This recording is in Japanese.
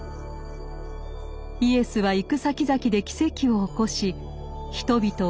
イエスは行くさきざきで奇跡を起こし人々を癒やします。